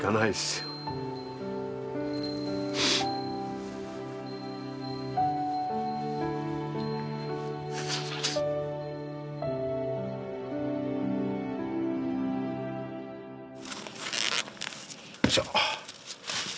よいしょ。